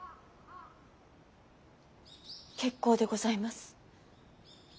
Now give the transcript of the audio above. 結構でございます。